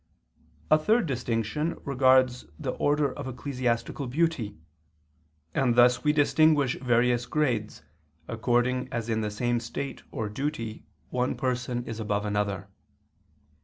A third distinction regards the order of ecclesiastical beauty: and thus we distinguish various grades according as in the same state or duty one person is above another.